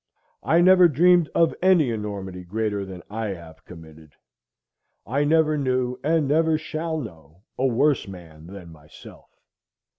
I never dreamed of any enormity greater than I have committed. I never knew, and never shall know, a worse man than myself.